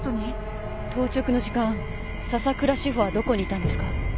当直の時間笹倉志帆はどこにいたんですか？